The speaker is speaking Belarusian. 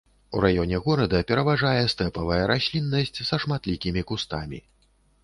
У раёне горада пераважае стэпавая расліннасць са шматлікімі кустамі.